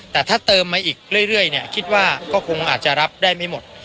แต่ถ้าเติมมาอีกเรื่อยเนี่ยคิดว่าก็คงอาจจะรับได้ไม่หมด